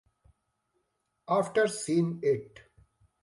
After Scene It?